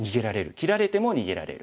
切られても逃げられる。